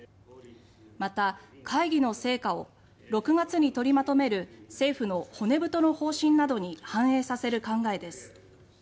また、会議の成果を６月に取りまとめる政府の骨太の方針などに反映させる考えです。